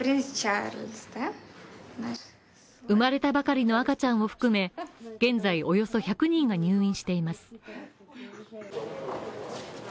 生まれたばかりの赤ちゃんを含め現在およそ１００人が入院しています。